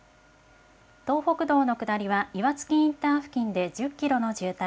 東北道の下りは岩槻インター付近で１０キロの渋滞。